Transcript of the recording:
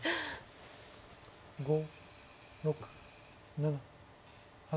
５６７８。